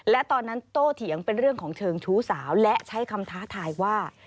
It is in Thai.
และตอนนั้นโตเถียงเป็นเรื่องของเชิงชู้สาวและใช้คำท้าทายว่า